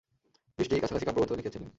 বিশটি কাছাকাছি কাব্যগ্রন্থ লিখেছিলেন।